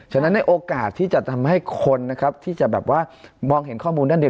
ฉะนั้นโอกาสที่จะทำให้คนที่จะมองเห็นข้อมูลด้านเดียว